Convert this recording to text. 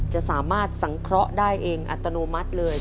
จะสามารถสังเคราะห์ได้เองอัตโนมัติเลย